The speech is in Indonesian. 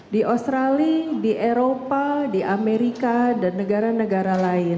di australia di eropa di amerika dan negara negara lain